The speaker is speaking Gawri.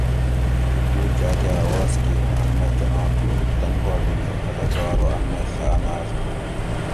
لوکوٹ جاۤ کہ آواز کیر اوں ان مئی کۤناں تُھو؟ تن پا ڈُھونگیر پھٹکا ارو ان مئی ڷہ انار تُھو